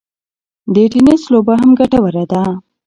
د ټینېس لوبه هم ګټوره ده.